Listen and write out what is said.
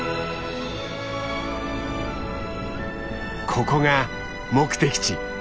ここが目的地。